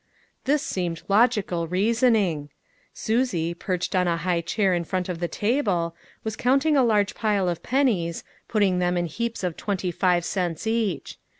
This seemed logical reasoning. Susie, perched on a high chair in front of the table, was count ing a large pile of pennies, putting them in heaps of twenty five cents each.